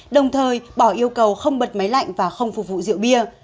đồng thời bỏ yêu cầu không bật máy lạnh và không phục vụ rượu bia